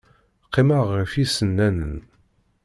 Qqimeɣ ɣef yisennanen.